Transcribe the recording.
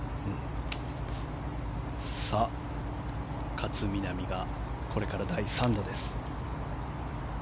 勝みなみがこれから第３打です。